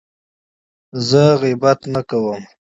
زه غیبت نه کوم.